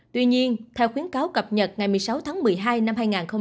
tuy nhiên theo khuyến cáo cập nhật ngày một mươi sáu tháng một mươi hai năm hai nghìn hai mươi